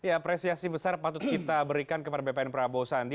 apresiasi besar patut kita berikan kepada bpn prabowo sandi